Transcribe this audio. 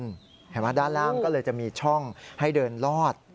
เห็นไหมด้านล่างก็เลยจะมีช่องให้เดินลอด